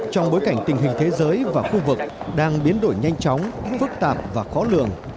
trong bối cảnh tình hình thế giới và khu vực đang biến đổi nhanh chóng phức tạp và khó lường